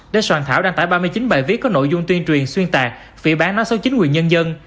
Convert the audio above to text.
để soạn thảo đăng tải ba mươi chín bài viết có nội dung tuyên truyền xuyên tạc phỉ bán nói xấu chính quyền nhân dân